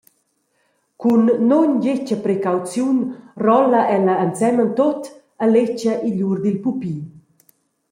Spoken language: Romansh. Cun nundetga precauziun rolla ella ensemen tut e letga igl ur dil pupi.